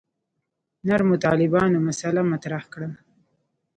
نرمو طالبانو مسأله مطرح کړه.